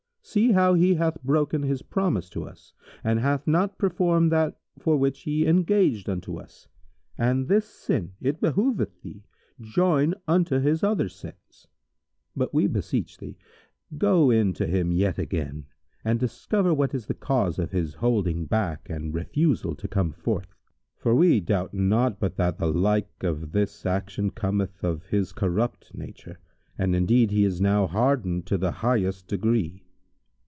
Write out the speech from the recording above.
See how he hath broken his promise to us and hath not performed that for which he engaged unto us, and this sin it behoveth thee join unto his other sins; but we beseech thee go in to him yet again and discover what is the cause of his holding back and refusal to come forth; for we doubt not but that the like of this action cometh of his corrupt nature, and indeed he is now hardened to the highest degree."